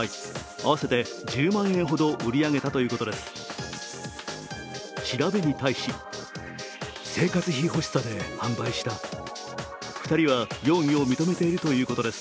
合わせて１０万円ほど売り上げたということです。